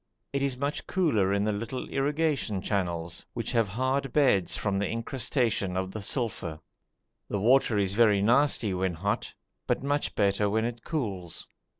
It is much cooler in the little irrigation channels, which have hard beds from the incrustation of the sulphur. The water is very nasty when hot, but much better when it cools.